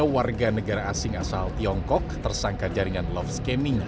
satu ratus lima puluh tiga warga negara asing asal tiongkok tersangka jaringan love scaming